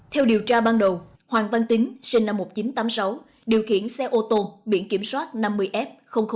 theo điều tra ban đầu hoàng văn tính sinh năm một nghìn chín trăm tám mươi sáu điều khiển xe ô tô biển kiểm soát năm mươi f bốn trăm tám mươi ba